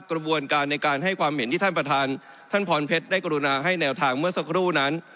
กระบวนการในการให้ความเห็นที่ท่านประธานท่านพรเพชรได้กรุณาให้แนวทางเมื่อสักครู่นั้น